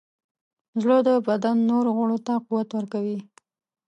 زړه د بدن نورو غړو ته قوت ورکوي.